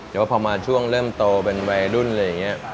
แต่ว่าพอมาช่วงเริ่มโตเป็นวัยรุ่นอะไรอย่างนี้